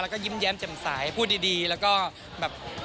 แล้วก็ยิ้มแย้มแจ่มสายพูดดีแล้วก็แบบ